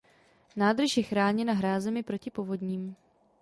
Nádrž je chráněna hrázemi proti povodním.